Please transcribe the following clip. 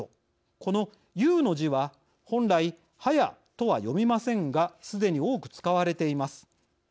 この「勇」の字は本来「ハヤ」とは読みませんがすでに多く使われています。